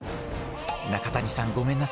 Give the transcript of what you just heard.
中谷さんごめんなさい。